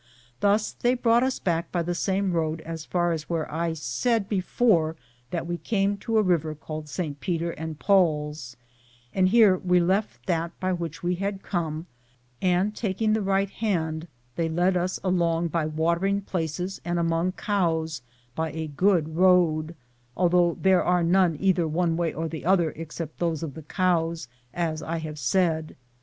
Thus they brought us back by the same road as far aa The pueblos of the Rio Qranda. am Google THE JOCHNET OF CORONADO where I said before that we came to a rivet called Saint Peter and Paul's, and here we left that by which we had come, and, taking the right hand, they led us along by water ing places and among cows and by a good road, although there are none either one way or the other except those of the cows, as I have said.